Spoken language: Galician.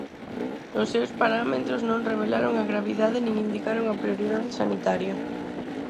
"Os seus parámetros non revelaron a gravidade nin indicaron a prioridade sanitaria".